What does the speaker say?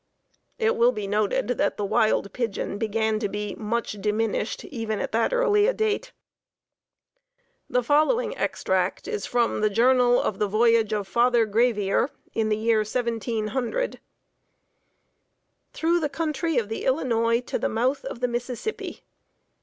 It will be noted that the wild pigeons began to be "much diminished" even at that early date. The following extract is from the journal of the voyage of Father Gravier in the year 1700: "Through the Country of the Illinois to the Mouth of the Mississippi."